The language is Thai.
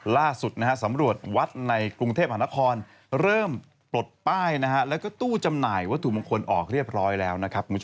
ล่าสุดสำรวจวัดในกรุงเทพฯหันครเริ่มปลดป้ายและตู้จำหน่ายวัตถุบังคลออกเรียบร้อยแล้ว